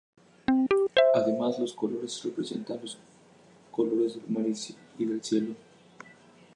Además, los colores representaban los colores del mar y del cielo.